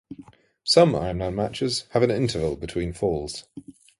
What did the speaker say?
Some Iron Man matches have an interval between falls.